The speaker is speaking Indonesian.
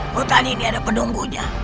hutan ini ada penunggunya